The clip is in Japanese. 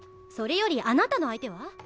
それよりあなたの相手は？